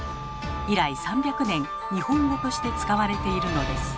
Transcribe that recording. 以来３００年日本語として使われているのです。